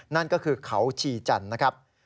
นั่นก็คือเขาชีจันทร์นะครับ